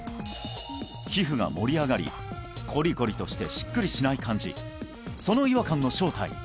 皮膚が盛り上がりコリコリとしてしっくりしない感じその違和感の正体